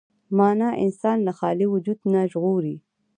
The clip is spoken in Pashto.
معنی انسان له خالي وجود نه ژغوري.